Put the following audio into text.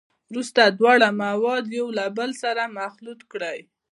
وروسته دواړه مواد یو له بل سره مخلوط کړئ.